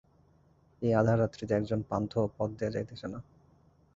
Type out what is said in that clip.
এই আঁধার রাত্রিতে একজন পান্থও পথ দিয়া যাইতেছে না।